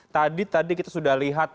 tadi tadi kita sudah lihat